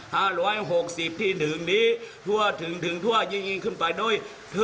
ห้าร้อยหกสิบที่ถึงนี้ทั่วถึงถึงทั่วยิ่งขึ้นไปโดย